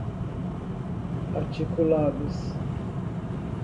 articulados